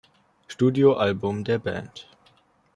Studio-Album der Band.